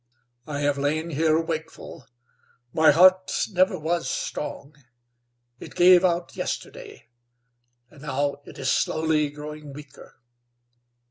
I have lain here wakeful. My heart never was strong. It gave out yesterday, and now it is slowly growing weaker.